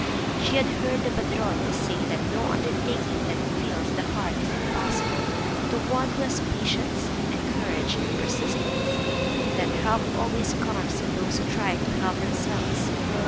She had heard the padrone say that no undertaking that fills the heart is impossible to one who has patience and courage and persistence, and that help always comes to those who try to help themselves.